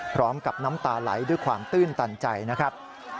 น้ำตาไหลด้วยความตื้นตันใจนะครับ